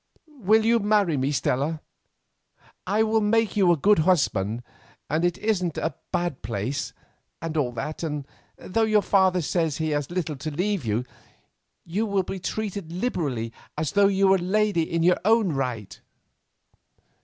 Will you marry me, Stella? I will make you a good husband, and it isn't a bad place, and all that, and though your father says he has little to leave you, you will be treated as liberally as though you were a lady in your own right."